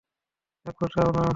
এক ফোঁটাও না।